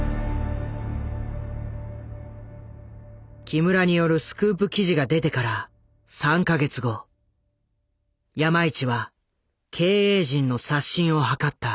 木村によるスクープ記事が出てから３か月後山一は経営陣の刷新を図った。